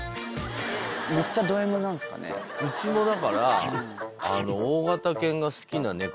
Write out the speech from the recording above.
うちもだから。